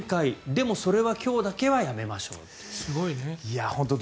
でもそれは今日だけはやめましょうという。